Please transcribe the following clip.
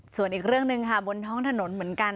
ส่วนอีกเรื่องหนึ่งค่ะบนท้องถนนเหมือนกัน